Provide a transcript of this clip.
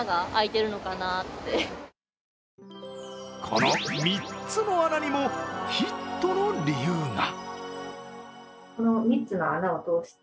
この３つの穴にもヒットの理由が。